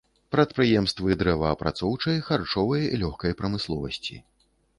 Прадпрыемствы дрэваапрацоўчай, харчовай, лёгкай прамысловасці.